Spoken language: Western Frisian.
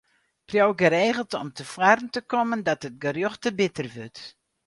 Priuw geregeld om te foaren te kommen dat it gerjocht te bitter wurdt.